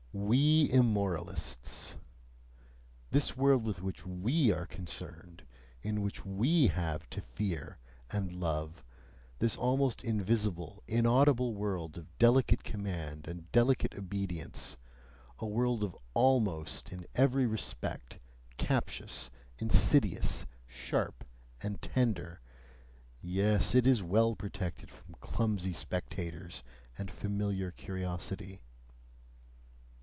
WE IMMORALISTS. This world with which WE are concerned, in which we have to fear and love, this almost invisible, inaudible world of delicate command and delicate obedience, a world of "almost" in every respect, captious, insidious, sharp, and tender yes, it is well protected from clumsy spectators and familiar curiosity!